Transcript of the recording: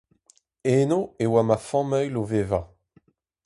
Eno e oa ma familh o vevañ.